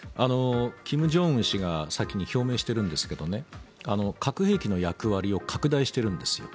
金正恩氏が先に表明しているんですが核兵器の役割を拡大しているんですよ。